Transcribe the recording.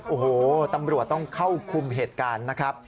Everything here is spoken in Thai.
โอ้โหตำรวจต้องเข้าคุมเหตุการณ์นะครับ